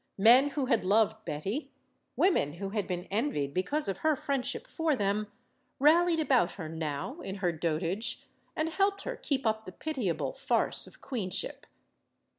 Men who had loved Betty, women who had been envied because of her friendship for them, rallied about her now, in her dotage, and helped her keep up the pitiable farce of queenship.